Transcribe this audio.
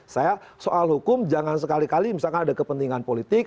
saya soal hukum jangan sekali kali misalkan ada kepentingan politik